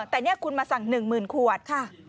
แต่นี่คุณมาสั่ง๑หมื่นขวด